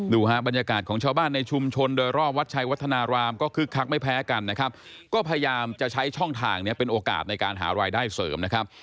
ฮะบรรยากาศของชาวบ้านในชุมชนโดยรอบวัดชัยวัฒนารามก็คึกคักไม่แพ้กันนะครับก็พยายามจะใช้ช่องทางเนี่ยเป็นโอกาสในการหารายได้เสริมนะครับ